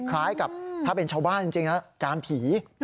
คล้ายกับถ้าเป็นชาวบ้านจริงนะจานผี